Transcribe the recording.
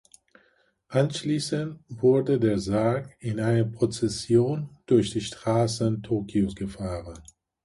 Anschließend wurde der Sarg in einer Prozession durch die Straßen Tokios gefahren.